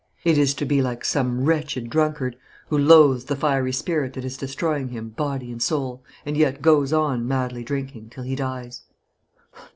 It is to be like some wretched drunkard, who loathes the fiery spirit that is destroying him, body and soul, and yet goes on, madly drinking, till he dies.